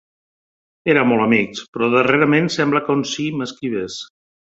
Érem molt amics, però darrerament sembla com si m'esquivés.